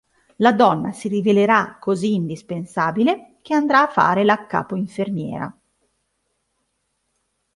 La donna si rivelerà così indispensabile, che andrà fare la capo-infermiera.